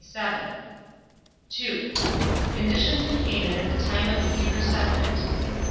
(2) Conditions in Canaan at the Time of the Hebrew Settlement.